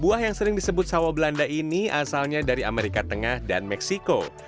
buah yang sering disebut sawo belanda ini asalnya dari amerika tengah dan meksiko